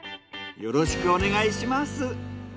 よろしくお願いします。